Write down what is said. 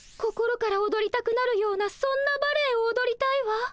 心からおどりたくなるようなそんなバレエをおどりたいわ。